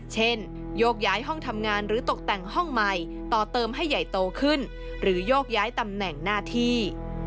โยกย้ายห้องทำงานหรือตกแต่งห้องใหม่ต่อเติมให้ใหญ่โตขึ้นหรือโยกย้ายตำแหน่งหน้าที่